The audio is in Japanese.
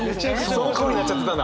その顔になっちゃってたんだ。